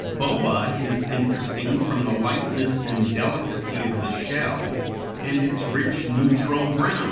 Bulla is interesting from the lightness and delicacy of the shell and its rich neutral browns.